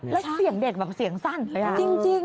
แล้วเสียงเด็กเสียงสั้น